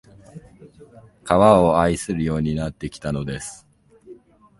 川を愛するようになってきたのです